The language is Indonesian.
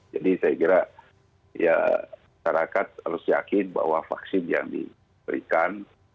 jadi saya kira ya masyarakat harus yakin bahwa vaksin yang diberikan